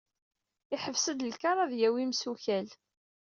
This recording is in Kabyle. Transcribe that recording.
Iḥbes-d lkar ad yawi imessukal.